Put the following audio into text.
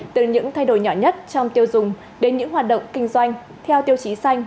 từ những thay đổi nhỏ nhất trong tiêu dùng đến những hoạt động kinh doanh theo tiêu chí xanh